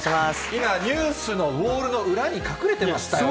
今、ニュースのウォールの裏に隠れてましたよね。